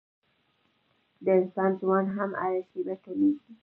د انسان ژوند هم هره شېبه کمېږي.